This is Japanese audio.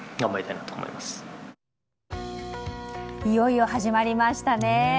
いよいよ始まりましたね。